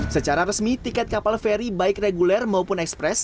secara resmi tiket kapal feri baik reguler maupun ekspres